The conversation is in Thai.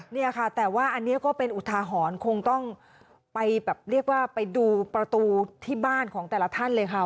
เนี่ยค่ะแต่ว่าอันนี้ก็เป็นอุทาหรณ์คงต้องไปแบบเรียกว่าไปดูประตูที่บ้านของแต่ละท่านเลยค่ะ